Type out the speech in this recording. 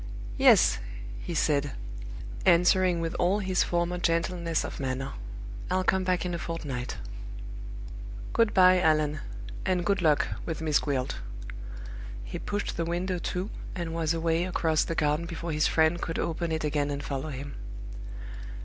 "Yes," he said, answering with all his former gentleness of manner; "I'll come back in a fortnight. Good by, Allan; and good luck with Miss Gwilt!" He pushed the window to, and was away across the garden before his friend could open it again and follow him.